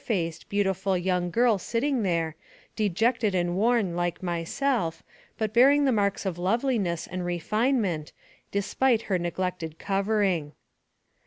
113 faced, beautiful young girl sitting there, dejected and worn, like myself, but bearing the marks of loveliness and refinement, despite her noglected covering.